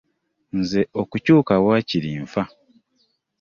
Nze okukyuka waakiri nfa!